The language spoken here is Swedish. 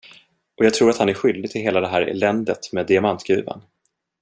Och jag tror han är skyldig till hela det här eländet med diamantgruvan.